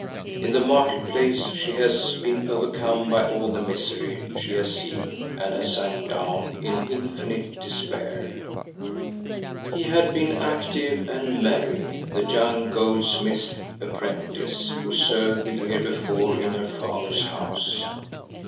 In the market place she has been overcome by all the misery she has seen and has sunk down in infinite despair. He had been active and merry, the young goldsmith's apprentice who served the year before in her father's house.